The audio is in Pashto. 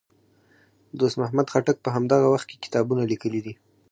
دوست محمد خټک په همدغه وخت کې کتابونه لیکي دي.